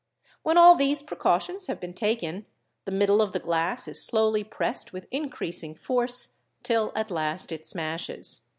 When all these precautions have been taken, the middle of the glass is slowly pressed with increasing force till at last is smashes.